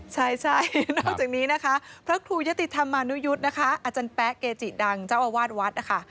ใช่นอกจากนี้นะคะพระครูยะติธรรมานุยุทธ์นะคะอาจารย์แป๊ะเกจิดังเจ้าอาวาสวัดนะคะ